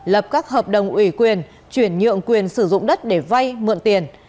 lập các hợp đồng ủy quyền chuyển nhượng quyền sử dụng đất để vay mượn tiền